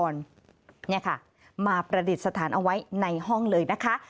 นี่ค่ะมาประดิษฐานเอาไว้ในห้องเลยนะคะ